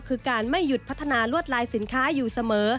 คือการไม่หยุดพัฒนาลวดลายสินค้าอยู่เสมอ